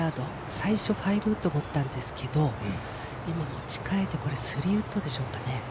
最初５ウッドかと思ったんですけれど、今、持ち替えて、３ウッドでしょうかね。